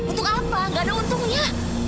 untuk apa nggak ada untungnya